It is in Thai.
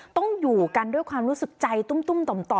ต้องอยู่กันด้วยความรู้สึกใจตุ้มต่อมต่อ